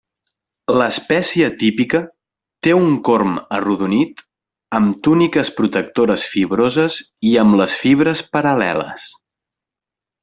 L'espècie típica té un corm arrodonit, amb túniques protectores fibroses i amb les fibres paral·leles.